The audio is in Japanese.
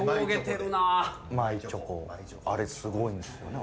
あれすごいんですよね。